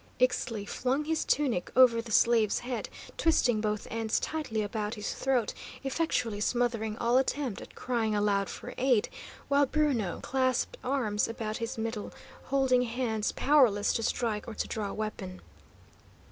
Ixtli flung his tunic over the slave's head, twisting both ends tightly about his throat, effectually smothering all attempt at crying aloud for aid, while Bruno clasped arms about his middle, holding hands powerless to strike or to draw weapon.